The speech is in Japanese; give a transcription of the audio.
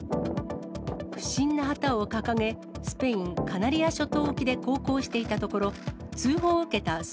不審な旗を掲げ、スペイン・カナリア諸島沖で航行していたところ、通報を受けたス